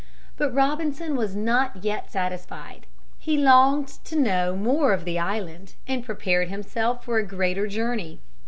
But Robinson was not yet satisfied. He longed to know more of the island and prepared himself for a greater journey.